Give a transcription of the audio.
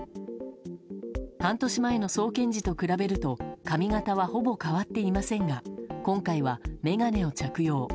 半年前の送検時と比べると髪形はほぼ変わっていませんが今回は眼鏡を着用。